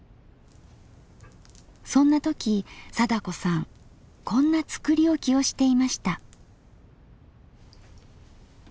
そんな時貞子さんこんな作り置きをしていました。